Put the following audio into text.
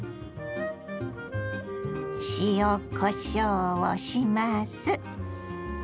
塩こしょうをします。